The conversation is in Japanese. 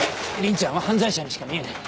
鈴ちゃんは犯罪者にしか見えない。